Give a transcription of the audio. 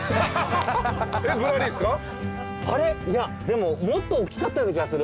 でももっとおっきかったような気がする。